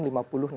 wow tinggi ya